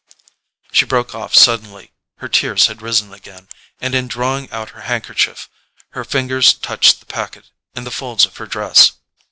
She broke off suddenly. Her tears had risen again, and in drawing out her handkerchief her fingers touched the packet in the folds of her dress.